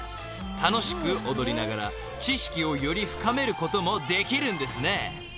［楽しく踊りながら知識をより深めることもできるんですね］